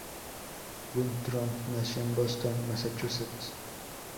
Winthrop nació en Boston, Massachusetts.